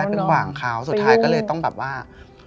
ไปขวางเขาสุดท้ายก็เลยต้องแบบว่า